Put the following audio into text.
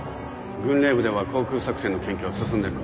軍令部では航空作戦の研究は進んでるか？